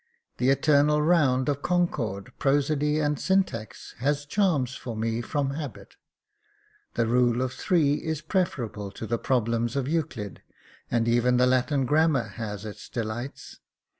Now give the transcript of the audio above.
The eternal round of concord, prosody and syntax has charms for me from habit : the rule of three is preferable to the problems of Euclid, and even the Latin grammar has its delights.